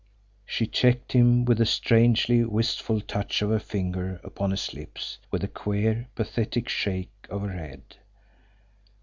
She checked him with a strangely wistful touch of her finger upon his lips, with a queer, pathetic shake of her head.